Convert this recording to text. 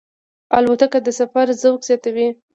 الوتکه د سفر ذوق زیاتوي.